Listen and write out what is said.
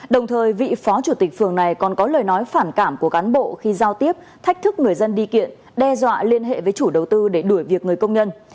đồng thời vị phó chủ tịch phường này còn có lời nói phản cảm của cán bộ khi giao tiếp thách thức người dân đi kiện đe dọa liên hệ với chủ đầu tư để đuổi việc người công nhân